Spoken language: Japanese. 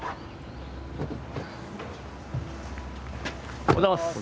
おはようございます。